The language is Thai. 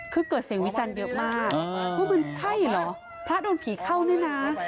คือเกิดเสียงวิจันทร์เยอะมากว่ามันใช่เหรอพระโดนผีเข้านี่นะ